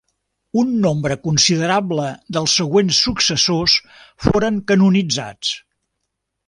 Un nombre considerable dels següents successors foren canonitzats.